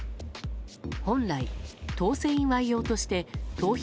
本来、当選祝い用として投票